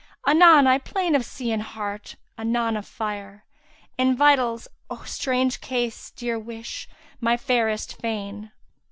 Anon I 'plain of sea in heart, anon of fire * In vitals, O strange case, dear wish, my fairest fain!